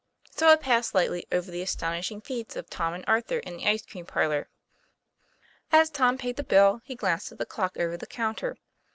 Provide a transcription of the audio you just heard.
So I pass lightly over the astonishing feats of Tom and Arthur in the ice cream parlor. As Tom paid the bill he glanced at the clock over the counter.